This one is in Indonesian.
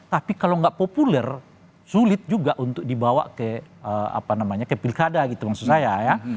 tapi kalau nggak populer sulit juga untuk dibawa ke pilkada gitu maksud saya ya